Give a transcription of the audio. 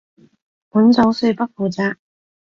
本組恕不負責